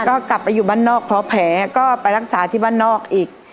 ก็กลับไปอยู่บ้านนอกเพราะแผลก็ไปรักษาที่บ้านนอกอีก